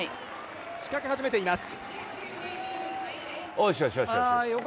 仕掛け始めています。